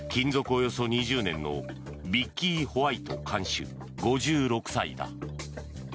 およそ２０年のビッキー・ホワイト看守５６歳だ。